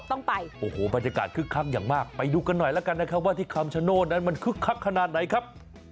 ต้องไปโอ้โหบรรยากาศคึกคักอย่างมากไปดูกันหน่อยแล้วกันนะครับว่าที่คำชโนธนั้นมันคึกคักขนาดไหนครับ